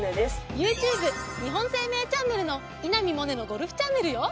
ＹｏｕＴｕｂｅ日本生命チャンネルの稲見萌寧のゴルフチャンネルよ。